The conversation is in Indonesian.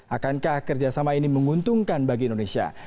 akankah kerjasama ini menguntungkan bagi indonesia